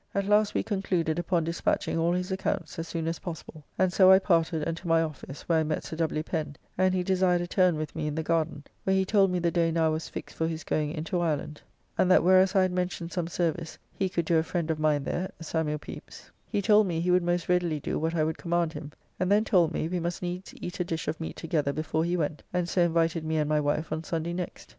At last we concluded upon dispatching all his accounts as soon as possible, and so I parted, and to my office, where I met Sir W. Pen, and he desired a turn with me in the garden, where he told me the day now was fixed for his going into Ireland; [Penn was Governor of Kinsale. B.] and that whereas I had mentioned some service he could do a friend of mine there, Saml. Pepys, [Mentioned elsewhere as "My cousin in Ireland." He was son of Lord Chief Justice Richard Pepys.] he told me he would most readily do what I would command him, and then told me we must needs eat a dish of meat together before he went, and so invited me and my wife on Sunday next.